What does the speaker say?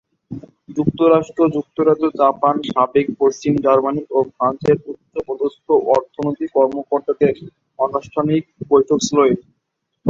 যুক্তরাষ্ট্র, যুক্তরাজ্য, জাপান, সাবেক পশ্চিম জার্মানি ও ফ্রান্সের উচ্চপদস্থ অর্থনৈতিক কর্মকর্তাদের অনানুষ্ঠানিক বৈঠক ছিল এটি।